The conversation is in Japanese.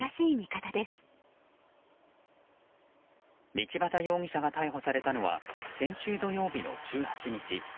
道端容疑者が逮捕されたのは先週土曜日の１８日。